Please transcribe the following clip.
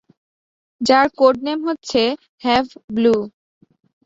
যার code name হচ্ছে ‘Have blue’.